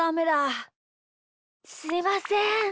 すいません。